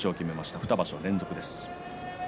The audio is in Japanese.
２場所連続です。